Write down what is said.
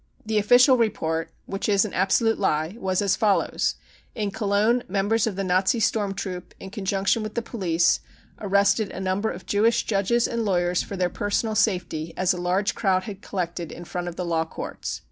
"The official report, which is an absolute lie, was as follows : c In Gologne, members of the Nazi storm troop, in conjunction with the police, arrested a number of Jewish judges and lawyers for their personal safety, as a large crowd had collected in front of the Law Courts.